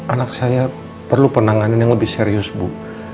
anak saya perlu penanganan yang lebih serius bu